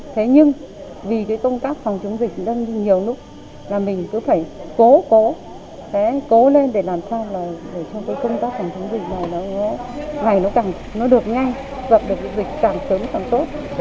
thế nhưng vì cái công tác phòng chống dịch lên nhiều lúc là mình cứ phải cố cố cố lên để làm sao để cho cái công tác phòng chống dịch này nó được ngay gặp được cái dịch càng sớm càng tốt